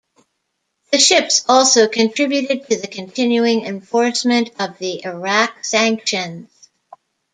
The ships also contributed to the continuing enforcement of the Iraq sanctions.